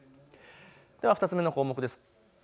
では２つ目の項目です。